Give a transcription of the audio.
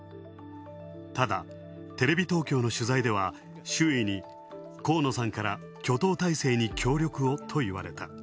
ただ、テレビ東京の取材では、周囲に河野さんから挙党態勢をと、協力をとわれた。